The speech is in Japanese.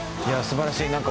いや素晴らしい。